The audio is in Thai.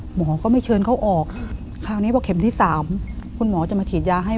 หมอก็ไม่เชิญเขาออกเข็มที่สามคุณหมอจะมาฉีดยาให้